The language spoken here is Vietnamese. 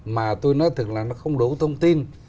mà tôi nói thực là nó không đủ thông tin